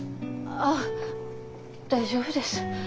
あっ大丈夫です。